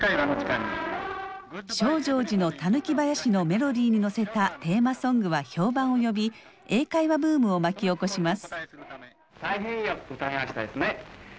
「証城寺の狸囃子」のメロディーに乗せたテーマソングは評判を呼び英会話ブームを巻き起こします。